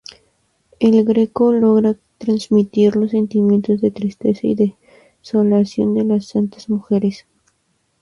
El Greco logra transmitir los sentimientos de tristeza y desolación de las santas mujeres.